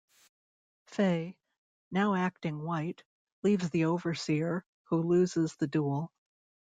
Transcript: Fey, now acting white, leaves the Overseer, who loses the duel.